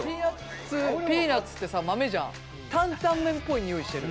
ピーナツってさ豆じゃん担々麺っぽいにおいしてる。